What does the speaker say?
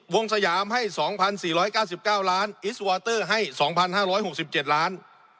วงสยามให้สองพันสี่ร้อยเก้าสิบเก้าร้านอีสต์วอเตอร์ให้สองพันห้าร้อยหกสิบเจ็ดล้าน